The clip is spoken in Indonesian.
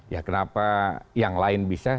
ya kenapa yang lain bisa